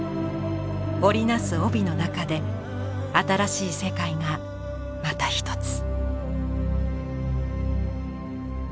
織り成す帯の中で新しい世界がまた一つ。